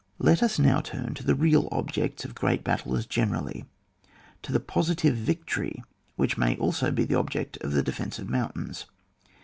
Let us now turn to the real objeci^ of great battles generally — to the positive victory which may also be the object in the defence of mountains.